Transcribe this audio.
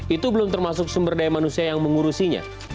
itu belum termasuk sumber daya manusia yang mengurusinya